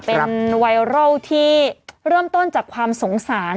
เป็นไวรัลที่เริ่มต้นจากความสงสาร